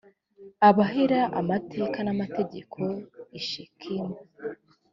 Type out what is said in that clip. abahera amateka n ‘amategeko i shekemu.